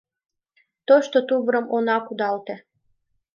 Тошто тувырым она кудалте -